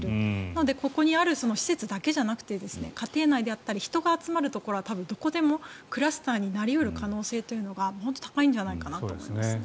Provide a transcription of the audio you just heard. なので、ここにある施設だけじゃなくて家庭内であったり人が集まるところは多分、どこでもクラスターになり得る可能性というのが本当に高いんじゃないかなと思いますね。